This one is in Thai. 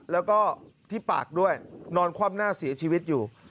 แล้วก็ที่ปากด้วยนอนคว่ำหน้าเสียชีวิตอยู่